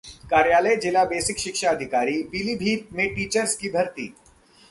कार्यालय जिला बेसिक शिक्षा अधिकारी, पीलीभीत में टीचर्स की भर्ती